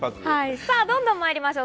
さあ、どんどんまいりましょう。